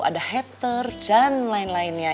ada hater dan lain lainnya